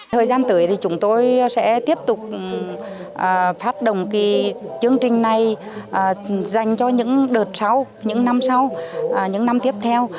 thời gian tới thì chúng tôi sẽ tiếp tục phát đồng chương trình này dành cho những đợt sau những năm sau những năm tiếp theo